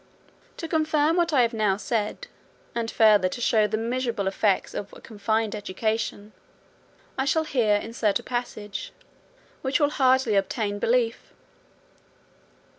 To confirm what I have now said, and further to show the miserable effects of a confined education, I shall here insert a passage, which will hardly obtain belief.